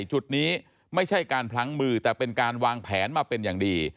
จุดนี้ไม่ใช่การพลั้งมือแต่เป็นการวางแผนมาเป็นอย่างดี